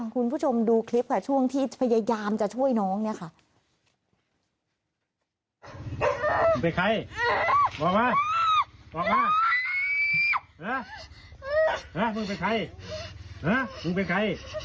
คุณผู้ชมดูคลิปค่ะช่วงที่พยายามจะช่วยน้องเนี่ยค่ะ